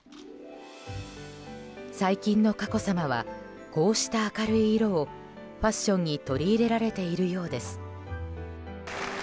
最近の佳子さまはこうした明るい色をファッションに取り入れられているようです。